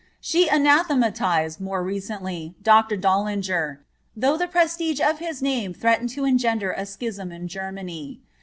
She anathematized, more recently, Dr. Döllinger, though the prestige of his name threatened to engender a schism in Germany.